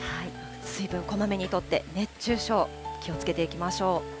水分こまめにとって、熱中症、気をつけていきましょう。